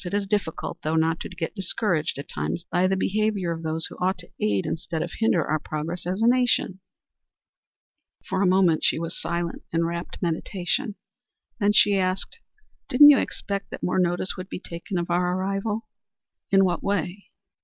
"It is difficult, though, not to get discouraged at times by the behavior of those who ought to aid instead of hinder our progress as a nation." For a moment she was silent in wrapt meditation, then she asked: "Didn't you expect that more notice would be taken of our arrival?" "In what way?"